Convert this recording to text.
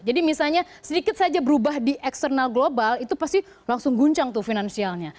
jadi misalnya sedikit saja berubah di eksternal global itu pasti langsung guncang tuh finansialnya